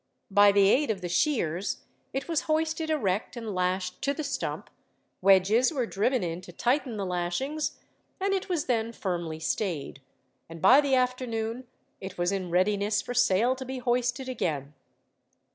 By the aid of the shears, it was hoisted erect and lashed to the stump, wedges were driven in to tighten the lashings, and it was then firmly stayed; and by the afternoon it was in readiness for sail to be hoisted again.